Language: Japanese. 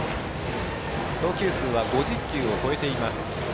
投球数は５０球を超えています。